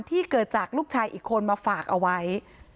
เกิดจากลูกชายอีกคนมาฝากเอาไว้